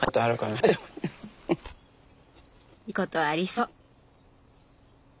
いいことありそう。